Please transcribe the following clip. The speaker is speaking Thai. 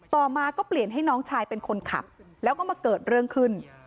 ต่อมาก็เปลี่ยนให้น้องชายเป็นคนขับแล้วก็มาเกิดเรื่องขึ้น